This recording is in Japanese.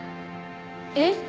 えっ？